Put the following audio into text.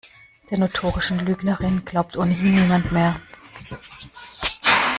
Der notorischen Lügnerin glaubt ohnehin niemand mehr.